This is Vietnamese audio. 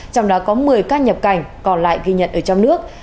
trong đó có một mươi ca nhập cảnh còn lại ghi nhận ở trong nước